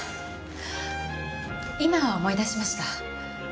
今思い出しました。